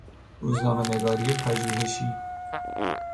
روزنامهنگاری پژوهشی